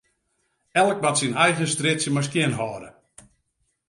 Elk moat syn eigen strjitsje mar skjinhâlde.